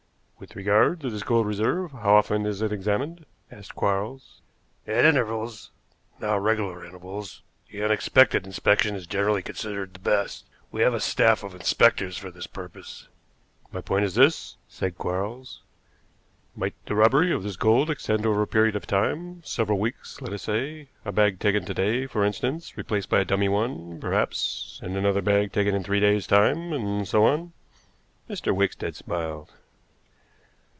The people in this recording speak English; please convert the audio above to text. "With regard to this gold reserve, how often is it examined?" asked Quarles. "At intervals, not regular intervals. The unexpected inspection is generally considered the best. We have a staff of inspectors for this purpose." "My point is this," said Quarles; "might the robbery of this gold extend over a period of time, several weeks, let us say a bag taken to day, for instance, replaced by a dummy one, perhaps, and another bag taken in three days' time, and so on?" Mr. Wickstead smiled.